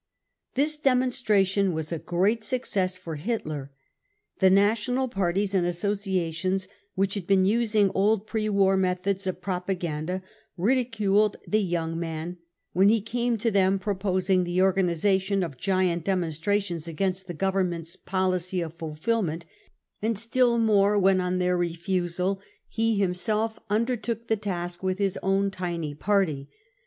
55 This demonstration was a great success for Hitler. The National parties and associations which had been using old pre war methods of propaganda ridiculed the " young man 55 when he came to them proposing the organisation of giant demonstrations against the Government's " policy "* of fulfilment," and still more when, on their refusal, he ■it* THE PATH TO POWER ig ► himself undertook the task with his own tiny party.